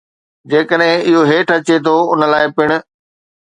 جيڪڏهن اهو هيٺ اچي ٿو، ان لاء پڻ